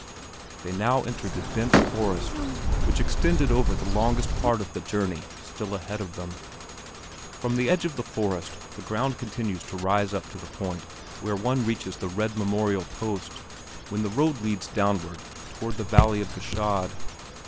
They now entered the dense forest which extended over the longest part of the journey still ahead of them. From the edge of the forest the ground continues to rise up to the point where one reaches the red memorial post, when the road leads downward toward the valley of Gschaid.